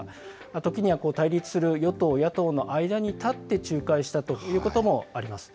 ときには対立する与党、野党の間に立って、仲介したということもあります。